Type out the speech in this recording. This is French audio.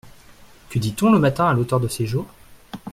Que dit-on le matin à l’auteur de ses jours ?